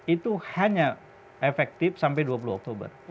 itu hanya efektif sampai dua puluh oktober